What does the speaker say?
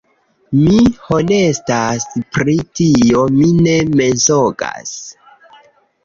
Mi honestas pri tio; mi ne mensogas